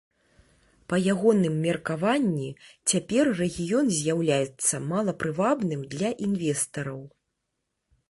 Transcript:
Па ягоным меркаванні, цяпер рэгіён з'яўляецца малапрывабным для інвестараў.